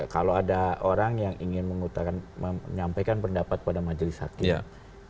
kalau ada orang yang ingin menyampaikan pendapat pada majelis hakim